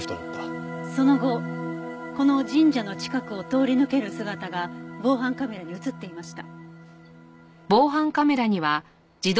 その後この神社の近くを通り抜ける姿が防犯カメラに映っていました。